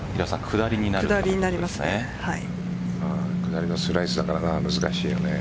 下りはスライスだから難しいよね。